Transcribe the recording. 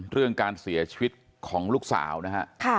เรื่องการเสียชีวิตของลูกสาวนะฮะ